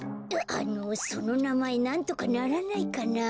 あのそのなまえなんとかならないかな。